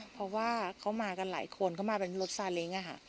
เพราะว่าเขามากันหลายคนเขามาเป็นรถซาเล้ง